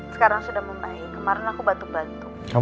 sekarang sudah membaik kemarin aku batuk bantu